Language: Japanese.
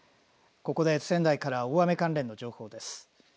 ここで仙台から大雨関連の情報です。